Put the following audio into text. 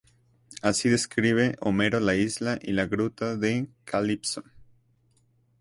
Así describe Homero la isla y la gruta de Calipso.